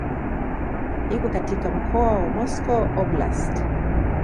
Iko katika mkoa wa Moscow Oblast.